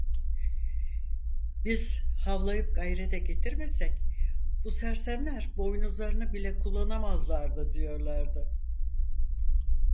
Biz havlayıp gayrete getirmesek bu sersemler boynuzlarını bile kullanamazlardı diyorlardı.